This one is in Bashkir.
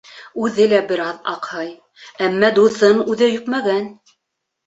Үҙе лә бер аҙ аҡһай, әммә дуҫын үҙе йөкмәгән.